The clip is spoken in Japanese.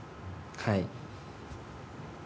はい。